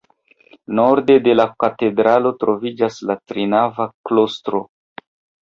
Norde de la katedralo troviĝas la trinava klostro.